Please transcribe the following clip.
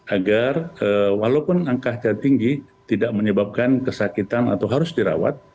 agar walaupun angkanya tinggi tidak menyebabkan kesakitan atau harus dirawat